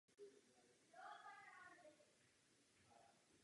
Lze je přeložit jako „pevnost na svahu kopce“.